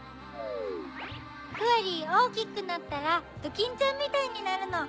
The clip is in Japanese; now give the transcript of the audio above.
フワリーおおきくなったらドキンちゃんみたいになるの！